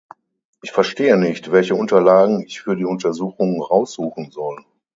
Ich verstehe nicht, welche Unterlagen ich für die Untersuchung raussuchen soll.